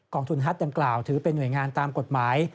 ทุนฮัตดังกล่าวถือเป็นหน่วยงานตามกฎหมาย